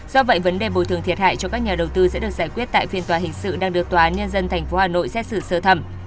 do vậy vấn đề bồi thường thiệt hại cho các nhà đầu tư sẽ được giải quyết tại phiên tòa hình sự đang được tòa án nhân dân tp hà nội xét xử sơ thẩm